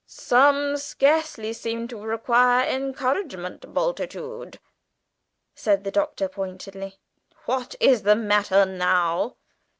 "Some scarcely seem to require encouragement, Bultitude," said the Doctor pointedly: "what is the matter now?"